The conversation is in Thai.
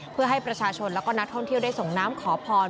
เพื่อให้ประชาชนและก็นักท่องเที่ยวได้ส่งน้ำขอพร